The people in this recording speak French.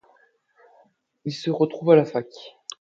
Ils se retrouvent à la fac.